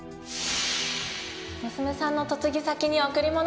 娘さんの嫁ぎ先に贈り物ですか？